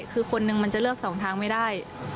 คือคนนึงมันจะเลือกสองทางไม่ได้